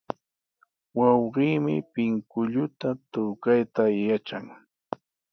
Wawqiimi pinkulluta tukayta yatran.